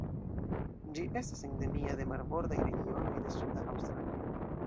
Ĝi estas endemia de marbordaj regionoj de suda Aŭstralio.